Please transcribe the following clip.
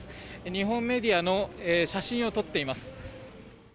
日本メディアの写真を撮っています。